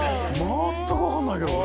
全く分かんないけど。